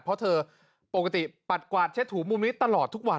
เพราะเธอปกติปัดกวาดเช็ดหูมุมนี้ตลอดทุกวัน